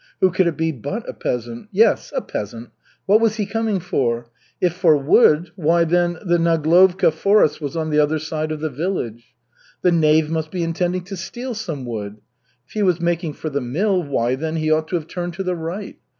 Who could it be but a peasant? Yes, a peasant! What was he coming for? If for wood, why, then, the Naglovka forest was on the other side of the village. The knave must be intending to steal some wood. If he was making for the mill, why, then, he ought to have turned to the right.